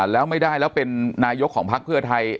แล้วไม่ได้แล้วเป็นนายกของพักเพื่อไทย